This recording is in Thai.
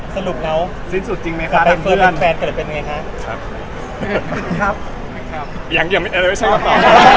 สรุปแล้วอายเฟิร์นเป็นแฟนให้เป็นอย่างไรคะ